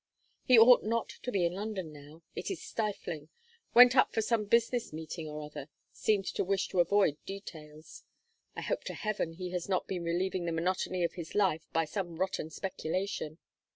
He ought not to be in London now it is stifling went up for some business meeting or other seemed to wish to avoid details. I hope to heaven he has not been relieving the monotony of his life by some rotten speculation.